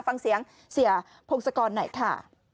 ฟังเสียงเสียพงศกรหน่อยค่ะ